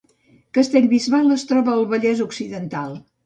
Castellbisbal es troba al Vallès Occidental